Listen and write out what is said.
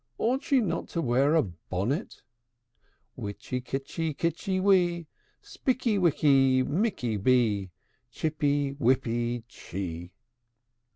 Ought she not to wear a bonnet?' Witchy kitchy kitchy wee, Spikky wikky mikky bee, Chippy wippy chee!